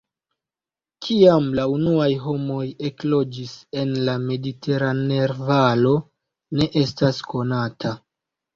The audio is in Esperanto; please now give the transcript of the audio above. Kiam la unuaj homoj ekloĝis en la Maderaner-Valo ne estas konata.